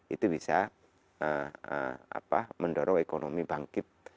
itu bisa mendorong ekonomi bangkit